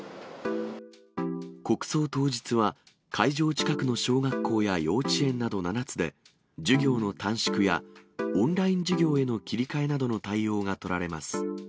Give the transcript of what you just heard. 国葬当日は、会場近くの小学校や幼稚園など７つで、授業の短縮や、オンライン授業への切り替えなどの対応が取られます。